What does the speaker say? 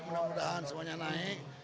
mudah mudahan semuanya naik